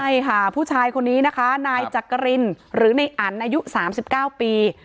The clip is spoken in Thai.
ใช่ค่ะผู้ชายคนนี้นะคะนายจักรินหรือในอันอายุ๓๙ปี